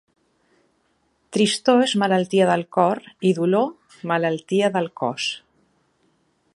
Tristor és malaltia del cor i dolor, malaltia del cos.